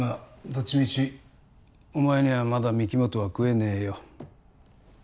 どっちみちお前にはまだ御木本は喰えねえよ